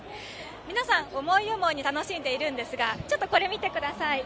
皆さん、思い思いに楽しんでいるんですがこれを見てください。